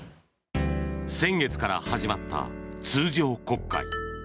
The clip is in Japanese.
先月から始まった通常国会。